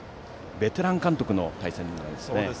ベテラン監督の対戦ですね。